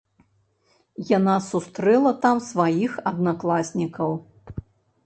Яна сустрэла там сваіх аднакласнікаў.